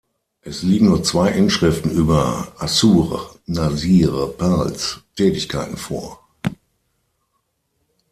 Es liegen nur zwei Inschriften über Aššur-nāṣir-pals Tätigkeiten vor.